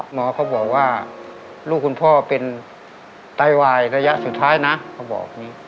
หมอเขาบอกว่าลูกคุณพ่อเป็นไตวายระยะสุดท้ายนะเขาบอกอย่างนี้